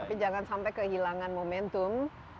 tapi jangan sampai kehilangan momentum